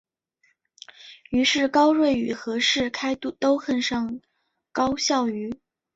于是高睿与和士开都恨上高孝瑜。